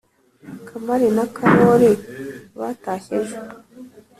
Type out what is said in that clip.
kamari na kalori batashye ejo